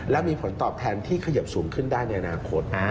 และมีผลตอบแทนที่เขยิบสูงขึ้นได้ในอนาคต